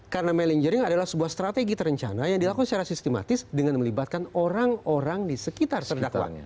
karena melinggering adalah sebuah strategi terencana yang dilakukan secara sistematis dengan melibatkan orang orang di sekitar terdakwa